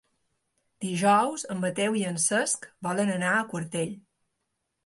Dijous en Mateu i en Cesc volen anar a Quartell.